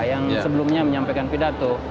yang sebelumnya menyampaikan pidato